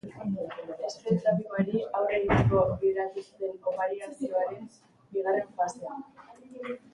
Speed trafikoari aurre egiteko bideratu zuten operazioaren bigarren fasea.